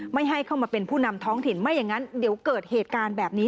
ไม่ให้เข้ามาเป็นผู้นำท้องถิ่นไม่อย่างนั้นเดี๋ยวเกิดเหตุการณ์แบบนี้